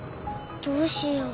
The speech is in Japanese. どうしよう。